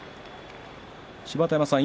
芝田山さん